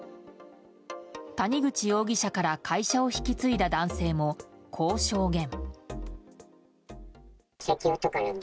谷口容疑者から会社を引き継いだ男性もこう証言。